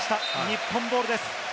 日本ボールです。